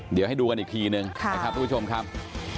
เดี๋ยวให้ดูกันอีกทีนึงนะครับทุกผู้ชมครับ